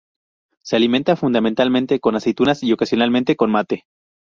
Se alimenta fundamentalmente con aceitunas y ocasionalmente con mate.